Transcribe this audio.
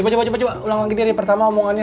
coba coba ulang lagi dari pertama omongannya